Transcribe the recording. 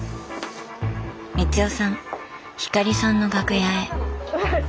光代さん光さんの楽屋へ。